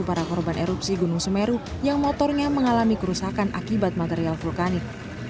para korban erupsi gunung semeru yang motornya mengalami kerusakan akibat material vulkanik